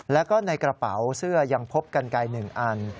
แล้วก็ในกระเป๋าเสื้อยังพบกันไกล๑อัน